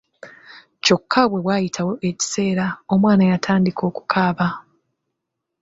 Kyokka bwe waayitawo ekiseera omwana yatandika okukaaba.